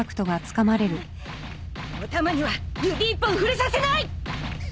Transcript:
お玉には指一本触れさせない！